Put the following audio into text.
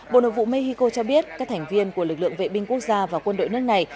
chính phủ mexico cho biết các thành viên của lực lượng vệ binh quốc gia và quân đội nước này